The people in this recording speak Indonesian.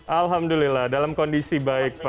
alhamdulillah dalam kondisi baik pak